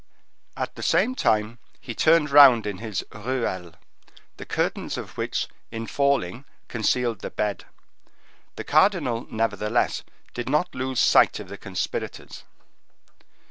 At the same time he turned round in his ruelle, the curtains of which, in falling, concealed the bed. The cardinal, nevertheless, did not lose sight of the conspirators.